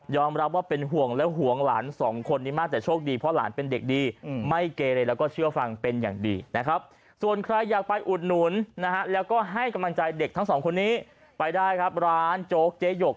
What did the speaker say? ยอมรับว่าเป็นห่วงแล้วห่วงหลานสองคนนี้มากจะโชคดี